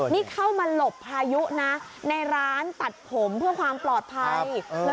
นี่เข้ามาหลบพายุนะในร้านตัดผมเพื่อความปลอดภัย